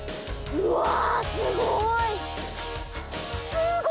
うわっすごい。